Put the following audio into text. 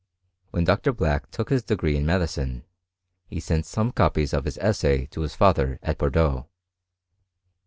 When Dr. Black took his degree in medica sent some copies of his essay to his father « deaux.